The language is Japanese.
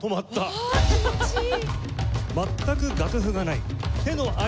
うわあ気持ちいい！